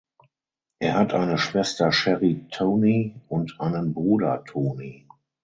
Er hat eine Schwester Sherri Toney und einen Bruder Tony.